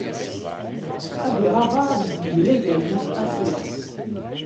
Ad iṛabeɛ deg uglagal n At Qasi.